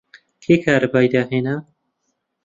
کێ کارەبای داهێنا؟